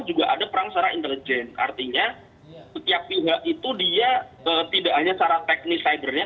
juga ada perang secara intelijen artinya setiap pihak itu dia tidak hanya secara teknis cybernya